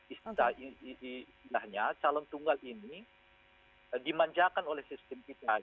istilahnya calon tunggal ini dimanjakan oleh sistem kita